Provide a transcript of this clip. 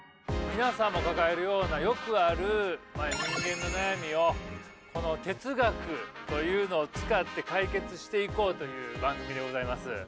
皆さんも抱えるようなよくある人間の悩みをこの哲学というのを使って解決していこうという番組でございます。